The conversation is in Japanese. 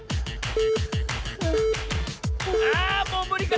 あもうむりか？